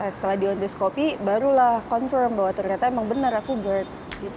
setelah di ondiskopi barulah confirm bahwa ternyata emang bener aku gerd